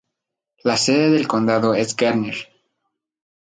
La sede del condado es Garner.